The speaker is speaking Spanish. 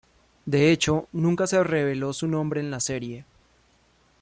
De hecho, nunca se reveló su nombre en la serie.